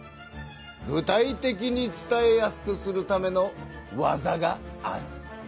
具体的に伝えやすくするための技がある。